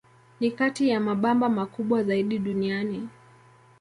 Ni kati ya mabamba makubwa zaidi duniani.